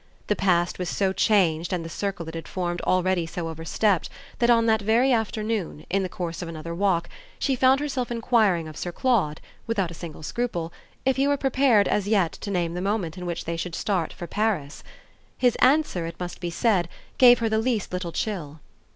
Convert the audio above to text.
The past was so changed and the circle it had formed already so overstepped that on that very afternoon, in the course of another walk, she found herself enquiring of Sir Claude without a single scruple if he were prepared as yet to name the moment at which they should start for Paris. His answer, it must be said, gave her the least little chill.